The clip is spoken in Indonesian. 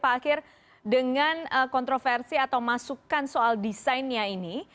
pak akhir dengan kontroversi atau masukan soal desainnya ini